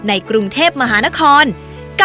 ใบตองรัชตวรรณโธชนุกรุณค่ะ